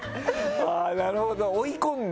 あぁなるほど追い込んで。